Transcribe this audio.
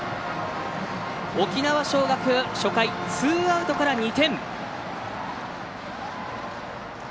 沖縄尚学初回ツーアウトから２点。